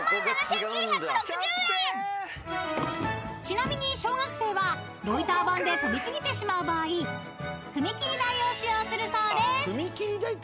［ちなみに小学生はロイター板で跳び過ぎてしまう場合踏切台を使用するそうです］